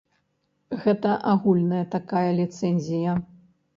Гэта агульная такая ліцэнзія.